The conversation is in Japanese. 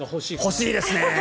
欲しいですね！